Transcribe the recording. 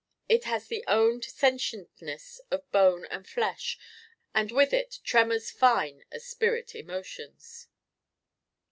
It has the owned sentientness of bone and flesh, and with it tremors fine as spirit emotions.